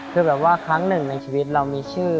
คือแบบว่าครั้งหนึ่งในชีวิตเรามีชื่อ